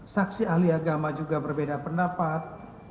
saksi ahli agama juga berbeda pendapat